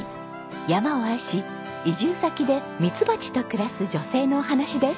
山を愛し移住先でミツバチと暮らす女性のお話です。